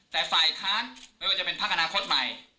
แต่ฝ่ายทางไม่ว่าจะเป็นภาคอนาโฆษ์ใหม่